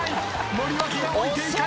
森脇が置いていかれる。